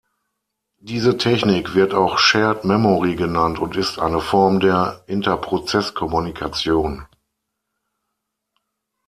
Diese Technik wird auch Shared Memory genannt und ist eine Form der Interprozesskommunikation.